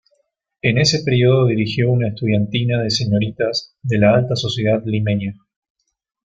En ese período dirigió una estudiantina de señoritas de la alta sociedad limeña.